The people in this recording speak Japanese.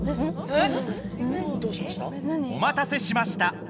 えっ！？